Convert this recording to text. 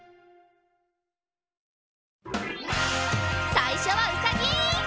さいしょはうさぎ！